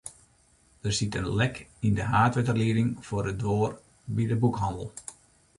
Der siet in lek yn de haadwetterlieding foar de doar by de boekhannel.